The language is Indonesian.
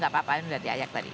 gak apa apain udah diayak tadi